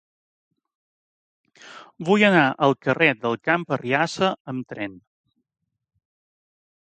Vull anar al carrer del Camp Arriassa amb tren.